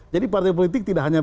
jadi partai politik tidak hanya